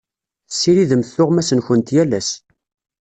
Tessiridemt tuɣmas-nkent yal ass.